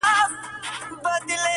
o خبري د کتاب ښې دي٫